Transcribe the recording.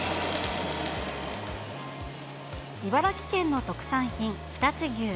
茨城県の特産品、常陸牛。